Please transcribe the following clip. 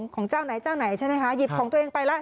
ของเจ้าไหนเจ้าไหนใช่ไหมคะหยิบของตัวเองไปแล้ว